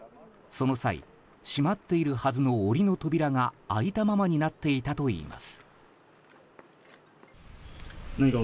その際、閉まっているはずの檻の扉が開いたままになっていたといいます。